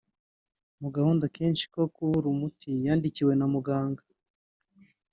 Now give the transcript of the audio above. Mu gahunda kenshi ko kubura umuti yandikiwe na Muganga